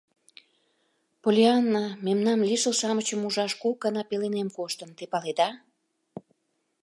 Поллианна мемнан лишыл-шамычым ужаш кок гана пеленем коштын, те паледа.